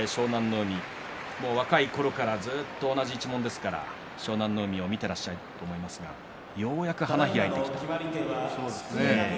海若いころからずっと同じ一門ですから湘南乃海を見ていらっしゃると思いますがようやく花が開いてきましたね。